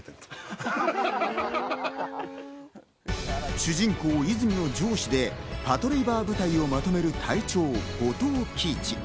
主人公・泉の上司でパトレイバー部隊を求める隊長・後藤喜一。